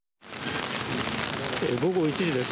午後１時です。